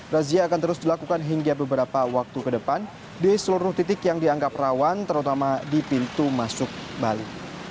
razia akan terus dilakukan hingga beberapa waktu ke depan di seluruh titik yang dianggap rawan terutama di pintu masuk bali